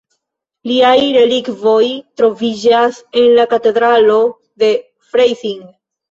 Liaj relikvoj troviĝas en la katedralo de Freising.